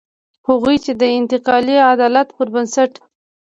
هغوی چې د انتقالي عدالت پر بنسټ.